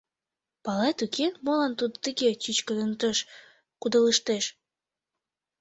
— Палет, уке, молан тудо тыге чӱчкыдын тыш кудалыштеш?